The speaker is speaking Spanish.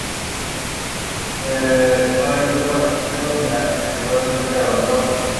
La historia se sitúa en una comisaría situada en Los Ángeles.